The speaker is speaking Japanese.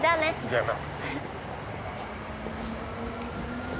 じゃあな。